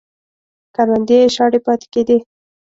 کروندې یې شاړې پاتې کېدې